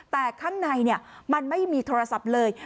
แต่ข้างในมันไม่มีโทรศัพท์เลย